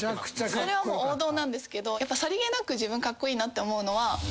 それはもう王道なんですけどさりげなく自分カッコイイなって思うのは。